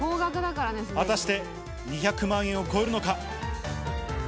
果たして２００万円を超えるのか？